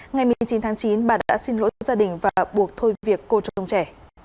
ngày một mươi chín tháng chín bà đã xin lỗi gia đình và buộc thôi việc cô trông trẻ